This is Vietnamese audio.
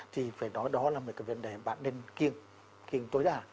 thì phải nói đó là một cái vấn đề bạn nên kiêng kiêng tối đa